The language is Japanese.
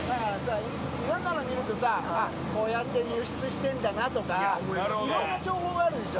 いろんなのを見るとさ、こうやって輸出してるんだなとかさ、いろんな情報があるでしょ。